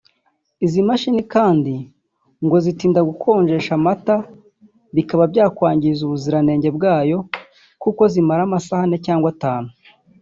Izi mashini kandi ngo zitinda gukonjesha amata bikaba byakwangiza ubuziranenge bwayo kuko zimara amasaha ane cyangwa atanu